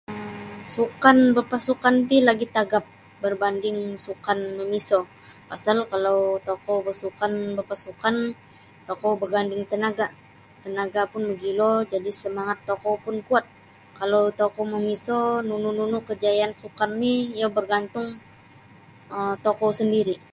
um Sukan bapasukan ti lagi tagap berbanding sukan mimiso pasal kalau tokou basukan sukan bapasukan tokou baganding tanaga tanaga pun magilo jadi samangat tokou pun kuat kalau tokou mimiso nunu-nunu kajayaan sukan ri iyo bergantung um tokou sendiri.